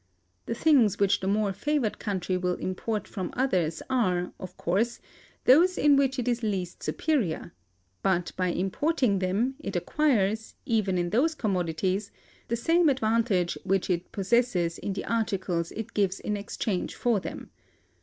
The things which the more favored country will import from others are, of course, those in which it is least superior; but, by importing them, it acquires, even in those commodities, the same advantage which it possesses in the articles it gives in exchange for them.